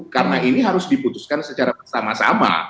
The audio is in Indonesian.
karena ini harus diputuskan secara bersama sama